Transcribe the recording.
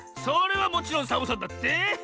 それはもちろんサボさんだって！